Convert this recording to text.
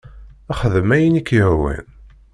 Xdem ayen i k-yehwan.